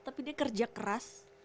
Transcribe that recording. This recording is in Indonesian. tapi dia kerja keras